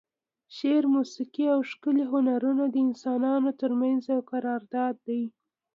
شعر، موسیقي او ښکلي هنرونه د انسانانو ترمنځ یو قرارداد دی.